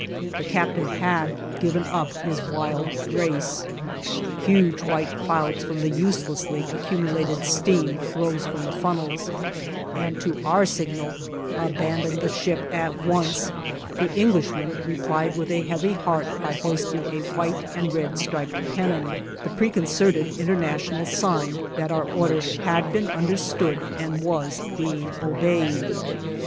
The captain had given up his wild race. Huge white clouds from the uselessly accumulated steam rose from the funnels, and to our signal, "Abandon the ship at once," the Englishman replied with a heavy heart by hoisting a white and red striped pennon, the preconcerted international sign that our order had been understood and was being obeyed.